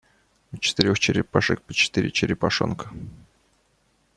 У четырех черепашек по четыре черепашонка.